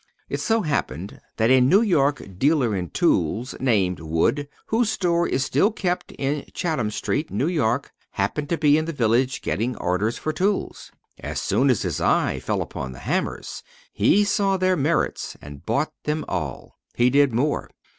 It so happened that a New York dealer in tools, named Wood, whose store is still kept in Chatham Street, New York, happened to be in the village getting orders for tools. As soon as his eye fell upon those hammers, he saw their merits, and bought them all. He did more.